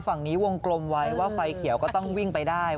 ฝั่งนี้วงกลมไว้ว่าไฟเขียวก็ต้องวิ่งไปได้